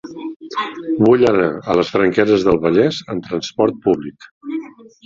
Vull anar a les Franqueses del Vallès amb trasport públic.